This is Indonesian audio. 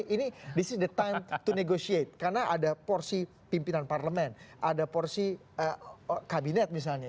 ini adalah waktu untuk negosiasi karena ada porsi pimpinan parlemen ada porsi kabinet misalnya